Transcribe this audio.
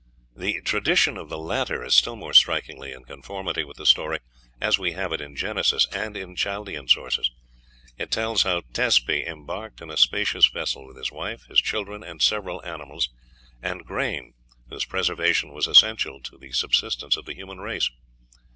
The tradition of the latter is still more strikingly in conformity with the story as we have it in Genesis, and in Chaldean sources. It tells how Tezpi embarked in a spacious vessel with his wife, his children, and several animals, and grain, whose preservation was essential to the subsistence of the human race.